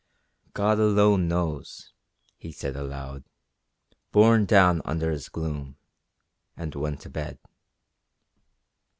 "God alone knows," he said aloud, borne down under his gloom, and went to bed.